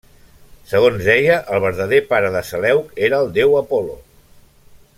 Segons deia, el verdader pare de Seleuc era el deu Apol·lo.